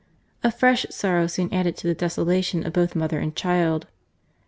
A fresh sorrow soon added to the desolation of both mother and child.